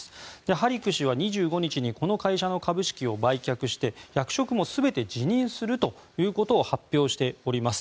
ハリク氏は２３日にこの会社の株式を全て売却して役職も全て辞任すると発表しております。